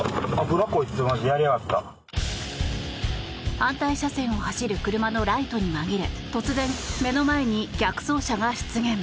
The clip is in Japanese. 反対車線を走る車のライトに紛れ突然、目の前に逆走車が出現。